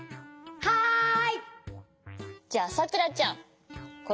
はい。